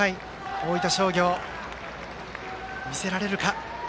大分商業、見せられるか。